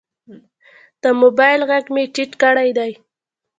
د موبایل غږ مې ټیټ کړی دی.